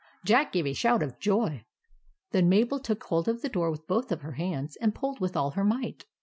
Jack gave a shout of joy. Then Mabel took hold of the door with both her hands, and pulled with all her might.